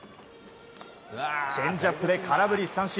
チェンジアップで空振り三振。